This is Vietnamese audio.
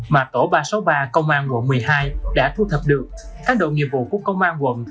mà tổ ba trăm sáu mươi ba công an quận một mươi hai đã thu thập được các đội nghiệp vụ của công an quận